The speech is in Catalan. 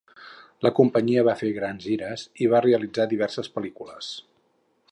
La companyia va fer grans gires i va realitzar diverses pel·lícules.